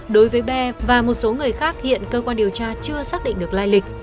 đối với be và một số người khác hiện cơ quan điều tra chưa xác định được lai lịch